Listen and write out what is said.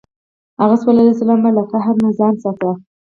هغه ﷺ به له قهر نه ځان ساته.